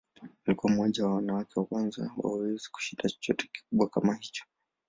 Alikuwa mmoja wa wanawake wa kwanza wa weusi kushinda chochote kikubwa kama hicho.